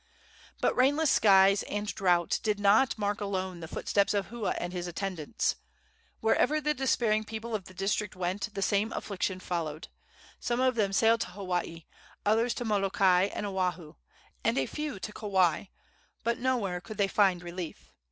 But rainless skies and drought did not mark alone the footsteps of Hua and his attendants. Wherever the despairing people of the district went the same affliction followed. Some of them sailed to Hawaii, others to Molokai and Oahu, and a few to Kauai; but nowhere could they find relief.